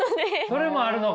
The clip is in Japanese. それもあるのか！